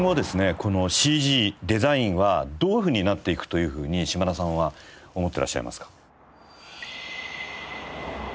このＣＧデザインはどういうふうになっていくというふうに島田さんは思ってらっしゃいますか？